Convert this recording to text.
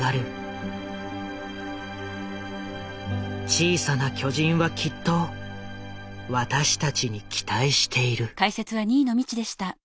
「小さな巨人」はきっと私たちに期待している。